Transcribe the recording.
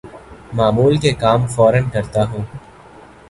معمول کے کام فورا کرتا ہوں